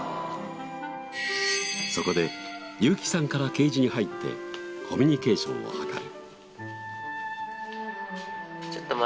そこでユーキさんからケージに入ってコミュニケーションを図る。